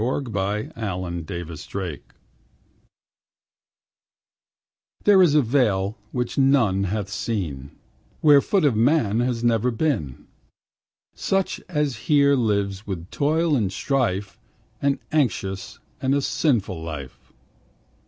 Rumors from an Aeolian Harp There is a vale which none hath seen, Where foot of man has never been, Such as here lives with toil and strife, An anxious and a sinful life.